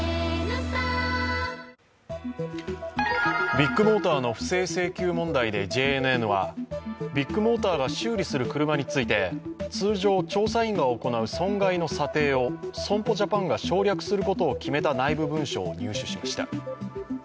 ビッグモーターの不正請求問題でＪＮＮはビッグモーターが修理する車について通常、調査員が行う損害の査定を損保ジャパンが省略することを決めた内部文書を入手しました。